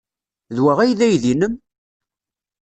D wa ay d aydi-nnem?